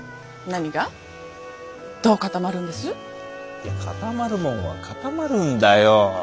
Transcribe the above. いや固まるもんは固まるんだよ。